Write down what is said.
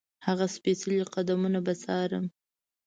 هغه سپېڅلي قدمونه به څارم.